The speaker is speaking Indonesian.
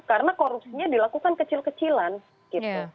karena korupsinya dilakukan kecil kecilan gitu